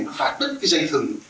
nó phạt đứt cái dây thừng